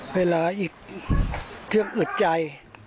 เวลาอีกเชื่อมอึดใจ